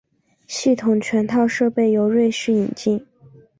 系统全套设备由瑞士引进。